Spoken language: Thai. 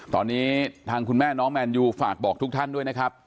ตอนนี้ทางคุณแม่น้องแมนยูฝากบอกทุกท่านด้วยนะครับ